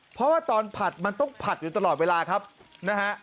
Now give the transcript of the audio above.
เพราะว่าตอนผัดมันต้องผัดอยู่ตลอดเวลาครับนะฮะ